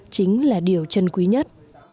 chính là điều chân quý nhất